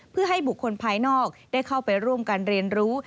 เพื่อให้บุคคลภายนอกได้เข้าไปร่วมกันเรียนรู้